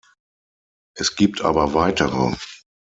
Es gibt aber weitere.